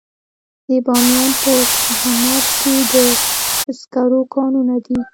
د بامیان په کهمرد کې د سکرو کانونه دي.